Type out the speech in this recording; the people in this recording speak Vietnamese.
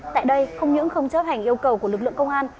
tại đây không những không chấp hành yêu cầu của lực lượng công an